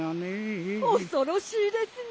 おそろしいですね。